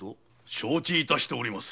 承知致しております。